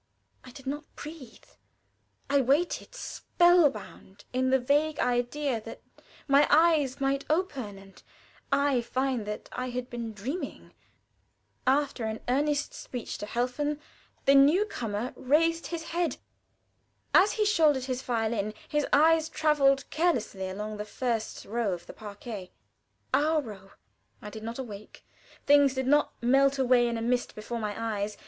I did not breathe. I waited, spell bound, in the vague idea that my eyes might open and I find that I had been dreaming. After an earnest speech to Helfen the new comer raised his head. As he shouldered his violin his eyes traveled carelessly along the first row of the parquet our row. I did not awake; things did not melt away in a mist before my eyes.